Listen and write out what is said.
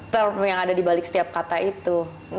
term yang ada di balik setiap kata itu